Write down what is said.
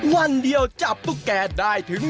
วันเดียวจับตุ๊กแก่คุณผู้ชม